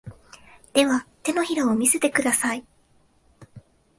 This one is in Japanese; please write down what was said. では、手のひらを見せてください。